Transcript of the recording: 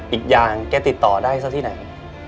อีกอย่างแกติดต่อได้ซะที่ไหน